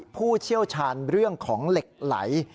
ผู้เชี่ยวชาญเรื่องของเหล็กไหล